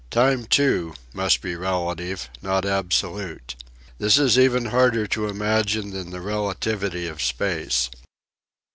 Time, too, must be relative, not absolute. This is even harder to imagine than the relativity of space.